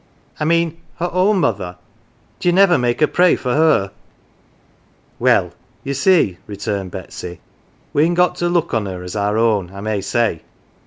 " I mean her own mother. D'ye never make her pray for her ?"" Well, ye see," returned Betsy, " we'n got to look on her as our own, I may say.